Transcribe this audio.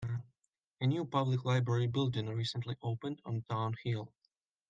A new public library building recently opened on town hill.